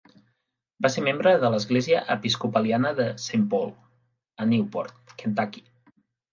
Va ser membre de l"església episcopaliana de Saint Paul a Newport, Kentucky.